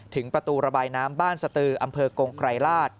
ประตูระบายน้ำบ้านสตืออำเภอกงไกรราช